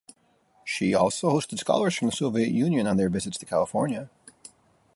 She also hosted scholars from the Soviet Union on their visits to California.